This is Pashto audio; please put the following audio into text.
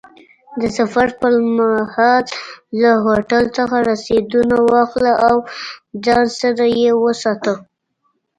د سفر پر مهال له هوټل څخه رسیدونه واخله او ځان سره یې وساته.